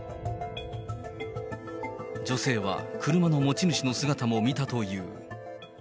女性は、車の持ち主の姿も見たという。